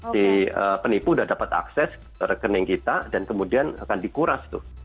si penipu sudah dapat akses rekening kita dan kemudian akan dikuras tuh